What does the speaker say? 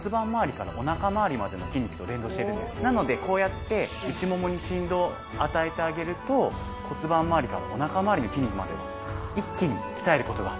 なのでこうやって内ももに振動を与えてあげると骨盤まわりからお腹まわりの筋肉まで一気に鍛える事ができるんです。